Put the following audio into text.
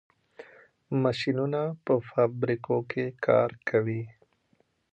ماشینونه په فابریکو کې کار کوي.